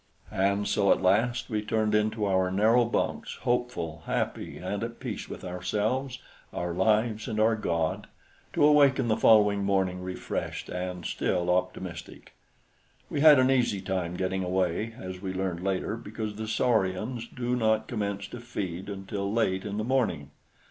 And so at last we turned into our narrow bunks, hopeful, happy and at peace with ourselves, our lives and our God, to awaken the following morning refreshed and still optimistic. We had an easy time getting away as we learned later, because the saurians do not commence to feed until late in the morning.